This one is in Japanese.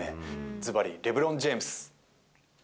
ずばりレブロン・ジェームズ。